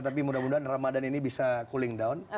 tapi mudah mudahan ramadan ini bisa cooling down